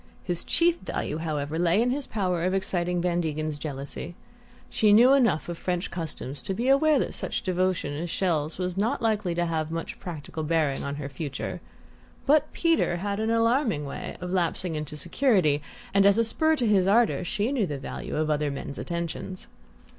His chief value, however, lay in his power of exciting Van Degen's jealousy. She knew enough of French customs to be aware that such devotion as Chelles' was not likely to have much practical bearing on her future; but Peter had an alarming way of lapsing into security, and as a spur to his ardour she knew the value of other men's attentions.